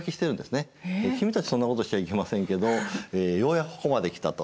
君たちそんなことしてはいけませんけどようやくここまで来たと。